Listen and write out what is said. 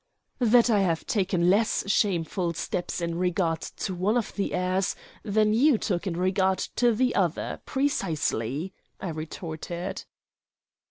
"That I have taken less shameful steps in regard to one of the heirs than you took in regard to the other. Precisely," I retorted.